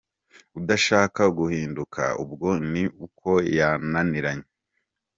Udashaka guhinduka ubwo ni uko yananiranye.